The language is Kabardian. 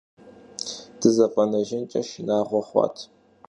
ДызэфӀэнэжынкӀэ шынагъуэ хъуат.